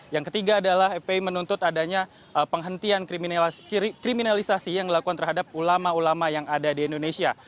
yang ketiga adalah fpi menuntut adanya penghentian kriminalisasi yang dilakukan terhadap ulama ulama yang ada di indonesia